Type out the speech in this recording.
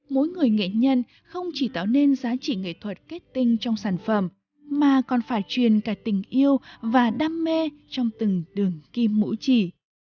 mỗi người nghệ nhân không chỉ tạo nên giá trị nghệ thuật kết tinh trong sản phẩm mà còn phải truyền cả tình yêu và đam mê trong từng đường kim mũ chỉ